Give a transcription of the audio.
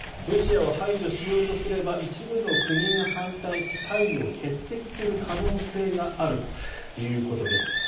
ロシアを排除しようとすれば一部の国が反対し会議を欠席する可能性があるということです。